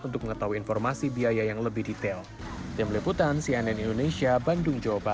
untuk mengetahui informasi biaya yang lebih detail